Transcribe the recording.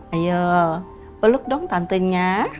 ayo peluk dong tantenya